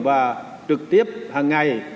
và trực tiếp hằng ngày